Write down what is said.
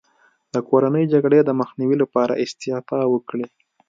د کورنۍ جګړې د مخنیوي لپاره استعفا وکړي.